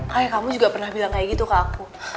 kayak kamu juga pernah bilang kayak gitu ke aku